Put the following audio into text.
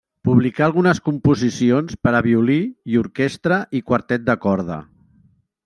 Publicà algunes composicions per a violí i orquestra i quartet de corda.